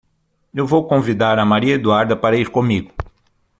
Eu vou convindar a Maria Eduarda para ir comigo.